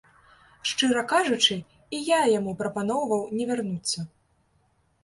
Шчыра кажучы, і я яму прапаноўваў не вярнуцца.